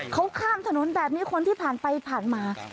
เขาข้ามถนนแบบนี้คนที่ผ่านไปผ่านมา